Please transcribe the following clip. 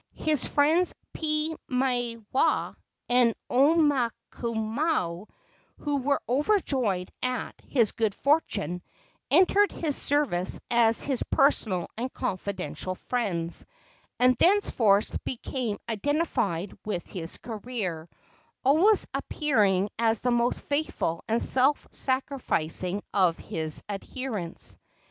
His friends Piimaiwaa and Omaukamau, who were overjoyed at his good fortune, entered his service as his personal and confidential friends, and thenceforth became identified with his career, always appearing as the most faithful and self sacrificing of his adherents.